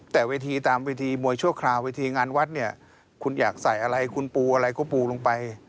แต่เวทีตามเวทีมวยชั่วคราวเวทีงานวัดเนี่ยคุณอยากใส่อะไรคุณปูอะไรก็ปูลงไป